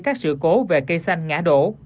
các sự cố về cây xanh ngã đổ